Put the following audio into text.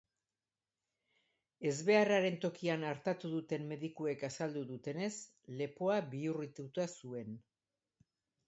Ezbeharraren tokian artatu duten medikuek azaldu dutenez, lepoa bihurrituta zuen.